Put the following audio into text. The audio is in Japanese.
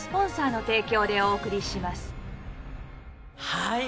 はい。